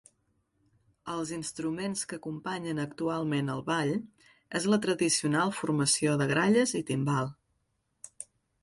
Els instruments que acompanyen actualment el Ball és la tradicional formació de gralles i timbal.